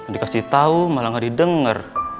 dikasih tau malah gak didengar